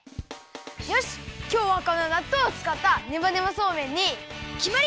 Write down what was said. よしきょうはこのなっとうをつかったねばねばそうめんにきまり！